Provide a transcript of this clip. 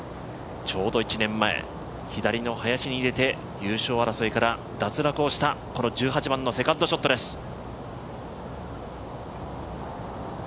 ちょうど１年前、左の林に入れて、優勝争いから脱落をしたこの１８番のセカンドショットです。